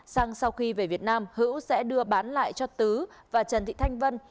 xăng sau khi về việt nam hữu sẽ đưa bán lại cho tứ và trần thị thanh vân